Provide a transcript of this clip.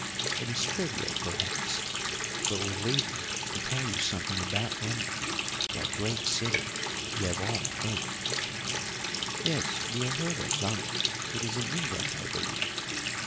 It is trivial, perhaps, but will lead me to tell you something about London that great city you have all heard of." "Yes, we have heard of London; it is in England, I believe.